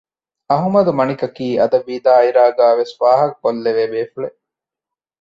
އަޙްމަދު މަނިކަކީ އަދަބީ ދާއިރާގައި ވެސް ފާހަގަ ކޮށްލެވޭ ބޭފުޅެއް